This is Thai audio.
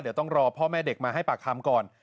เดี๋ยวต้องรอพ่อแม่เด็กมาให้ปากคำก่อน